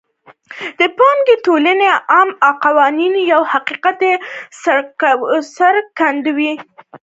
د پانګې ټولونې عام قانون یو حقیقت څرګندوي